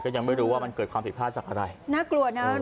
ก็ยังไม่รู้ว่ามันเกิดความผิดพลาดจากอะไร